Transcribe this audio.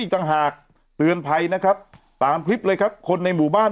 ต่างหากเตือนภัยนะครับตามคลิปเลยครับคนในหมู่บ้าน